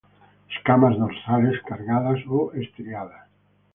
Escamas dorsales cargadas o estriadas.